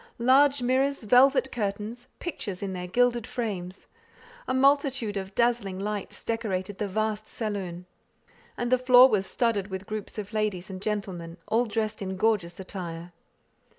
Large mirrors, velvet curtains, pictures in their gilded frames, a multitude of dazzling lights decorated the vast saloon, and the floor was studded with groups of ladies and gentlemen, all dressed in gorgeous attire.